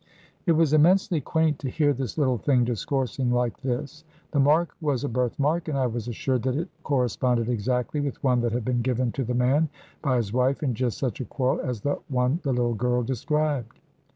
It was immensely quaint to hear this little thing discoursing like this. The mark was a birth mark, and I was assured that it corresponded exactly with one that had been given to the man by his wife in just such a quarrel as the one the little girl described.